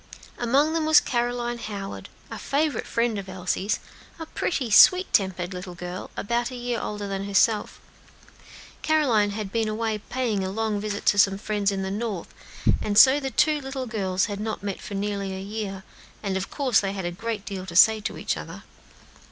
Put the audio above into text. Among them was Caroline Howard, a favorite friend of Elsie's; a pretty, sweet tempered little girl, about a year older than herself. Caroline had been away paying a long visit to some friends in the North, and so the two little girls had not met for nearly a year, and of course they had a great deal to say to each other.